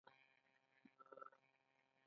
د غوا شیدې د هډوکو پیاوړتیا لپاره ګټورې دي.